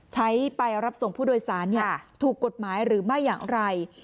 ใช้ไปรับส่งผู้โดยสารถูกกฎหมายหรือไม่อย่างไร